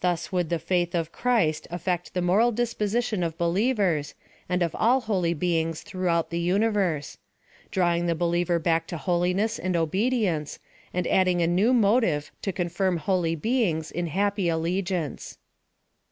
Thus would tne faith of Chrisi alTect the moral disposition of believers, an d of all holy beings Uiroughoiit the universe ; drawing the believer bacK to holiness and obedience, and addnig a new motive to con^rm holy beings in happy allegiance.